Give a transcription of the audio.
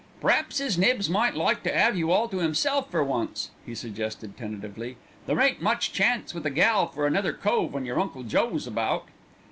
"P'raps 'is Nibs might like to 'ave you all to 'imself for once," he suggested tentatively. "There ain't much chance with a gal for another cove when your Uncle Joe's about."